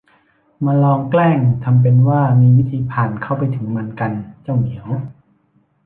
มาลองแกล้งทำเป็นว่ามีวิธีผ่านเข้าไปถึงมันกัน เจ้าเหมียว